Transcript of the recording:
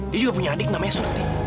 dia juga punya adik namanya sukti